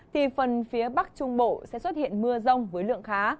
thì phần phía bắc trung bộ sẽ xuất hiện mưa rông với lượng khá